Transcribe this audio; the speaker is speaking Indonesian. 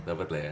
dapat lah ya